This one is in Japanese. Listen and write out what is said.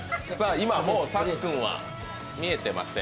今もうさっくんは見えてません。